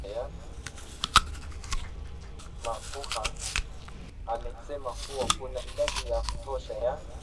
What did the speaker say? Magoha amesema kuwa kuna idadi ya kutosha ya